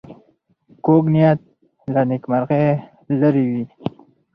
کوږ نیت له نېکمرغۍ لرې وي